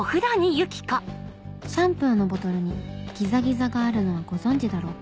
シャンプーのボトルにギザギザがあるのはご存じだろうか？